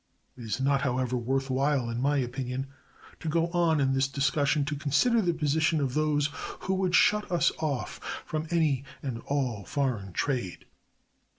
It is not, however, worth while, in my opinion, to go on in this discussion to consider the position of those who would shut us off from any and all foreign trade.